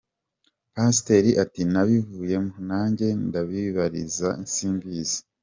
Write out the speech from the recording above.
Pasiteri ati “Nabivuyemo, nanjye ndabibaririza simbizi.